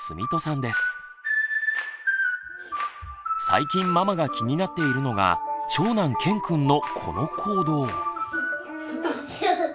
最近ママが気になっているのが長男けんくんのこの行動。